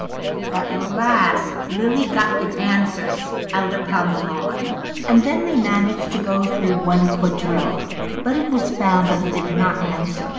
At last Lily got the dancers out upon the lawn, and then they managed to go through one quadrille. But it was found that it did not answer.